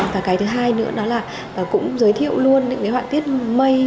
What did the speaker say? và cái thứ hai nữa đó là cũng giới thiệu luôn những hoạn tiết mây